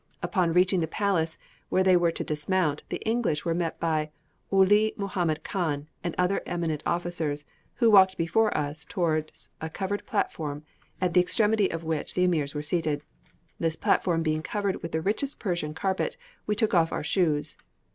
Upon reaching the palace, where they were to dismount, the English were met by Ouli Mahommed Khan and other eminent officers, who walked before us towards a covered platform, at the extremity of which the emirs were seated. This platform being covered with the richest Persian carpet, we took off our shoes.